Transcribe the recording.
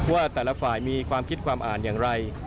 ว่าแต่ละฝ่ายมีความคิดความอ่านอย่างไร